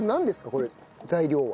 これ材料は。